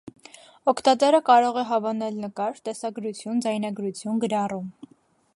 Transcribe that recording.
Օգտատերը կարող է հավանել նկար, տեսագրություն, ձայնագրություն, գրառում։